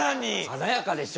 鮮やかでしょ。